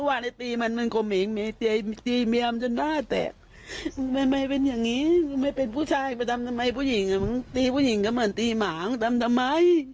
เราก็เสียใจที่เค้าก็มีชีวิตของเขา